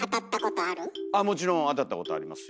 あっもちろんあたったことありますよ。